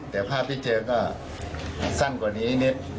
แต่ภาพที่เจอก็สั้นกว่านี้นิด